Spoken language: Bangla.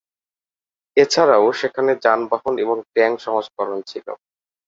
এছাড়াও সেখানে যানবাহন এবং ট্যাঙ্ক সংস্করণ ছিল।